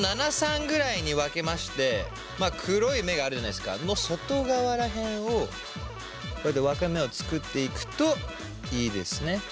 ７３ぐらいに分けまして黒い目があるじゃないですかの外側ら辺をこうやって分け目を作っていくといいですね。